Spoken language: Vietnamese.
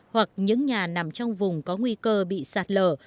hoặc những nhà nằm trong vùng có nguy cơ bị sạt lở